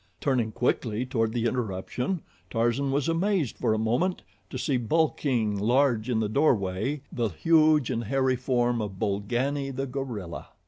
Turning quickly toward the interruption Tarzan was amazed, for a moment, to see bulking large in the doorway the huge and hairy form of Bolgani, the gorilla.